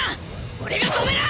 俺が止める！